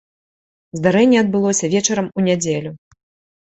Здарэнне адбылося вечарам у нядзелю.